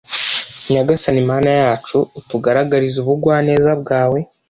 nyagasani mana yacu, utugaragarize ubugwaneza bwawe